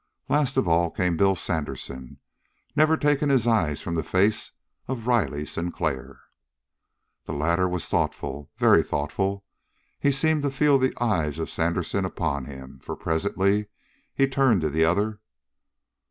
Last of all came Bill Sandersen, never taking his eyes from the face of Riley Sinclair. The latter was thoughtful, very thoughtful. He seemed to feel the eyes of Sandersen upon him, for presently he turned to the other.